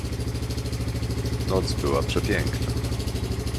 "Noc była przepiękna."